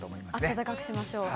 暖かくしましょう。